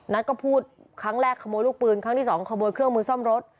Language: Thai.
ก็พูดครั้งแรกขโมยลูกปืนครั้งที่สองขโมยเครื่องมือซ่อมรถ